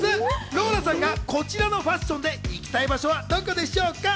ローラさんがこちらのファッションで行きたい場所はどこでしょうか。